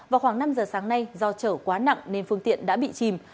vào khoảng năm giờ sáng nay do chở quá nặng nên phương tiện đã bị chìm